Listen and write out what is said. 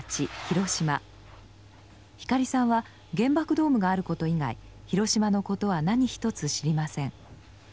光さんは原爆ドームがあること以外広島のことは何一つ知りません。